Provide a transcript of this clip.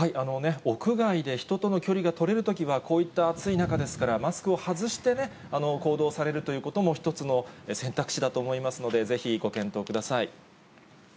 屋外で人との距離がとれるときは、こういった暑い中ですから、マスクを外してね、行動されるということも、一つの選択肢だと思いますので、ぜひご検討ください。